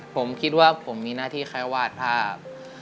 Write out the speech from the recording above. ผมคิดว่าผมมีหน้าที่แค่วาดภาพ